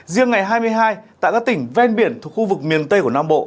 riêng ngày hai mươi hai tại các tỉnh ven biển thuộc khu vực miền tây của nam bộ